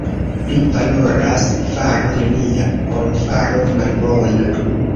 Pli valoras faro nenia, ol faro malbona.